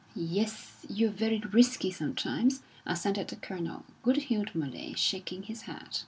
"Yes, you're very risky sometimes," assented the Colonel, good humouredly shaking his head.